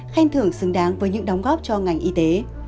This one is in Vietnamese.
khen thưởng xứng đáng với những đóng góp cho ngành y tế